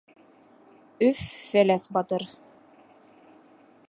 Өф-Фәләс батыр